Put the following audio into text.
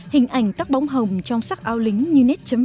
hình ảnh tắc bóng hồng trong sắc áo lính